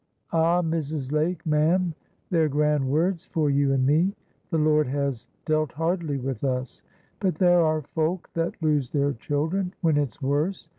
Ah! Mrs. Lake, ma'am, they're grand words for you and me. The Lord has dealt hardly with us, but there are folk that lose their children when it's worse.